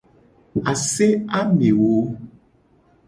Ase amewo.